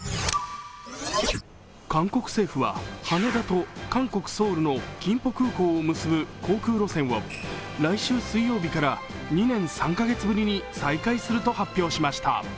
韓国政府は羽田と韓国・ソウルのキンポ空港を結ぶ航空路線を来週水曜日から２年３カ月ぶりに再開すると発表しました。